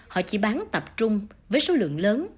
họ chỉ bán tập trung với số lượng lớn